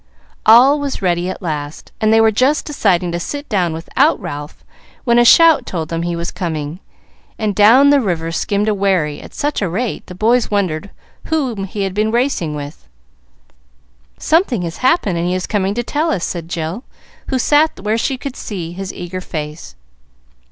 All was ready at last, and they were just deciding to sit down without Ralph, when a shout told them he was coming, and down the river skimmed a wherry at such a rate the boys wondered whom he had been racing with. "Something has happened, and he is coming to tell us," said Jill, who sat where she could see his eager face.